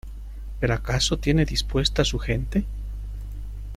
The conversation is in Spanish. ¿ pero acaso tiene dispuesta su gente?